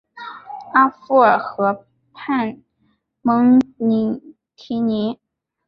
阿夫尔河畔蒙蒂尼。